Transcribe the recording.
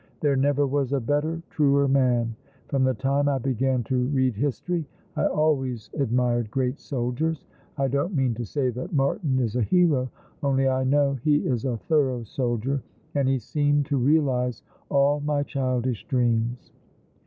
There never was a better, truer man. From the time I began to read history I always admired great soldiers. I don't mean to say that Martin is a hero — only I know he is a thorough goldier — and he seemed to realize all my childish dreams."